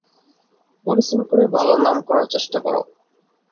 পরিশ্রম করে ভালো নাম করার চেষ্টা করো।